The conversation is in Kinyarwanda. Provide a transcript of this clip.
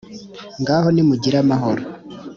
ngaho nimugire amahoro.